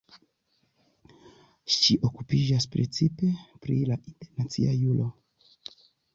Ŝi okupiĝas precipe pri la internacia juro.